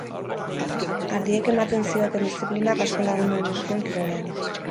Ardiek ematen zioten disziplinak asko lagundu omen zion kirolean.